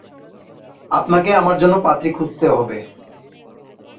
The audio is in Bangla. আপনাকে আমার জন্য পাত্রী খুঁজতে হবে।